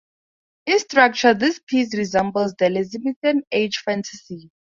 In structure this piece resembles the Elizabethan-age fantasy.